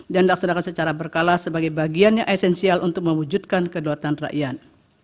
dan dilaksanakan secara berkala sebagai bagian yang esensial untuk memperbaiki kekuatan dan kekuatan